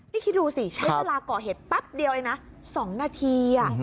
นี่คิดดูสิใช้เวลาก่อเหตุแป๊บเดียวเองนะ๒นาที